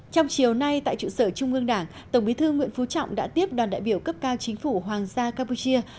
trong chiều nay tại trụ sở trung ương đảng tổng bí thư nguyễn phú trọng đã tiếp đoàn đại biểu cấp cao chính phủ hoàng gia campuchia